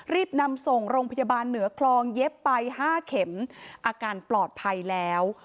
รีบนำส่งโรงพยาบาลเหนือคลองเย็บไป๕เข็มอาการปลอดภัยแล้ว